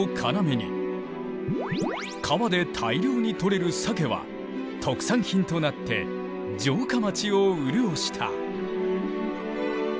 川で大量に取れる鮭は特産品となって城下町を潤した。